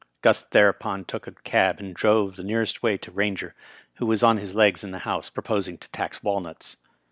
Gus thereupon took a cab and drove the nearest way to Rainger, who was on his legs in the Housq, proposing to tax walnuts.